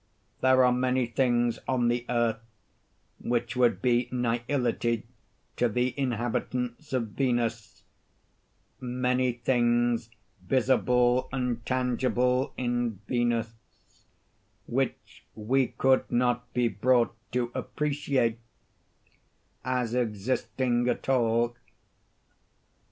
There are many things on the Earth, which would be nihility to the inhabitants of Venus—many things visible and tangible in Venus, which we could not be brought to appreciate as existing at all.